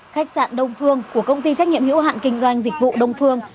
khách sạn đông phương của công ty trách nhiệm hữu hạn kinh doanh dịch vụ đông phương